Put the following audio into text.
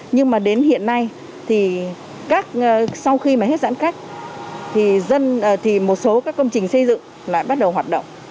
nhưng mà đến hiện nay thì sau khi mà hết giãn cách thì dân thì một số các công trình xây dựng lại bắt đầu hoạt động